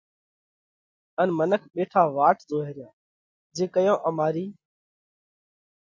ان منک ٻيٺا واٽ زوئه ريا جي ڪئيون امارِي